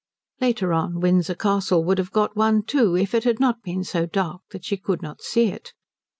Later on Windsor Castle would have got one too, if it had not been so dark that she could not see it.